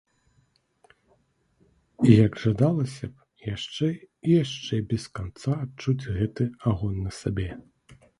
І як жадалася б яшчэ і яшчэ без канца адчуць гэты агонь на сабе.